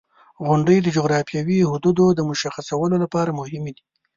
• غونډۍ د جغرافیوي حدودو د مشخصولو لپاره مهمې دي.